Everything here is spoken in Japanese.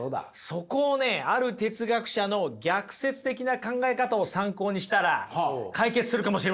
そこをねある哲学者の逆説的な考え方を参考にしたら解決するかもしれません。